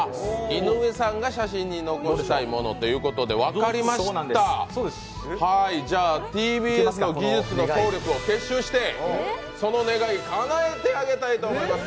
井上さんが写真に残したいものということで、分かりました、はい、じゃあＴＢＳの技術の総力を集結してその願い、かなえてあげたいと思います。